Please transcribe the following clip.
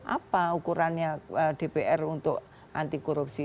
apa ukurannya dpr untuk anti korupsi